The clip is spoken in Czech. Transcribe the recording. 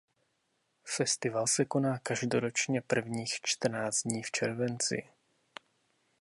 Festival se koná každoročně prvních čtrnáct dní v červenci.